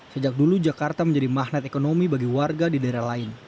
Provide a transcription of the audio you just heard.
sejak dulu jakarta menjadi magnet ekonomi bagi warga di daerah lain